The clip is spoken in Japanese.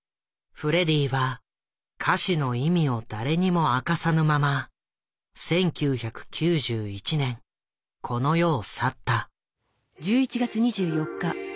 フレディは歌詞の意味を誰にも明かさぬまま１９９１年この世を去った。